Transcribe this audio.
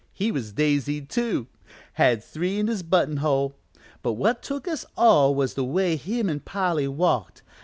He was daisied, too had three in his button hole; but what took us all was the way him an' Polly walked.